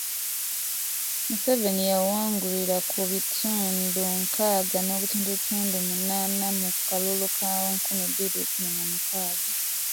Museveni yawangulira ku bitundu nkaaga n’obutundutundu munaana mu kalulu ka nkumi bbiri kkumi na mukaaga.